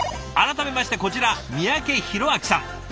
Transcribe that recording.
改めましてこちら三宅裕朗さん。